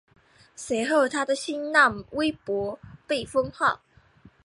随后他的新浪微博被封号。